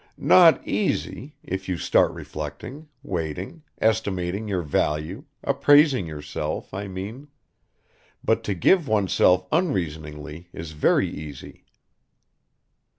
"Not easy, if you start reflecting, waiting, estimating your value, appraising yourself, I mean; but to give oneself unreasoningly is very easy."